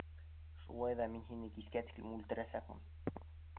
Шулай ҙа мин һине кискә тиклем үлтерәсәкмен!